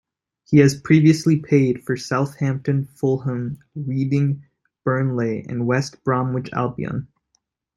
He has previously played for Southampton, Fulham, Reading, Burnley and West Bromwich Albion.